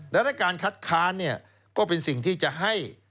และการคัดค้านก็เป็นสิ่งที่จะให้